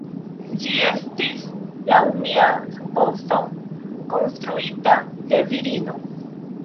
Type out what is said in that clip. Ĝi estis, laŭ mia supozo, konstruita de virino.